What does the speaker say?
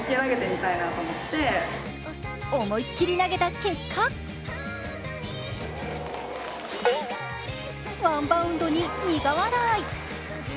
思いっきり投げた結果ワンバウンドに苦笑い。